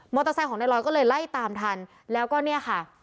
เตอร์ไซค์ของในรอยก็เลยไล่ตามทันแล้วก็เนี่ยค่ะ